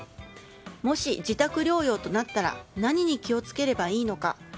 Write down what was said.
もし自宅療養となったら何に気をつければいいのか。